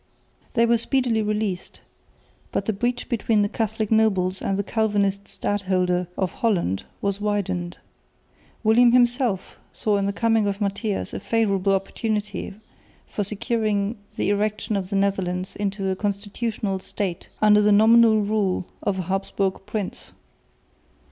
They were speedily released, but the breach between the Catholic nobles and the Calvinist stadholder of Holland was widened. William himself saw in the coming of Matthias a favourable opportunity for securing the erection of the Netherlands into a constitutional State under the nominal rule of a Habsburg prince.